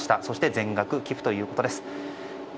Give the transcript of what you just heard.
そして全額寄付ということです。